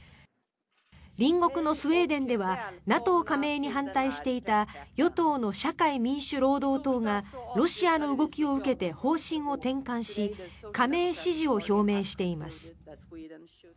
隣国のスウェーデンではＮＡＴＯ加盟に反対していた与党の社会民主労働党がロシアの動きを受けて方針を転換し加盟支持を表明しています。